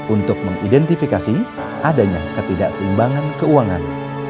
untuk mengidentifikasi adanya ketidakseimbangan keuangan